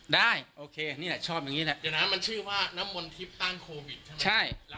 ได้โอเคนี่แหละชอบอย่างนี้แหละ